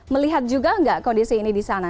melihat juga nggak kondisi ini di sana